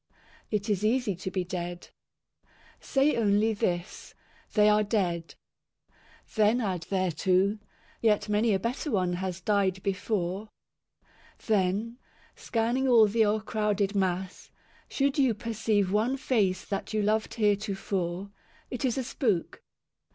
It is easy to be dead. Say only this, " They are dead." Then add thereto, " Yet many a better one has died before." Then, scanning all the o'ercrowded mass, should you Perceive one face that you loved heretofore, It is a spook.